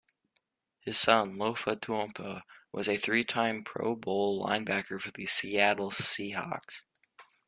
His son Lofa Tatupu was a three-time Pro Bowl linebacker for the Seattle Seahawks.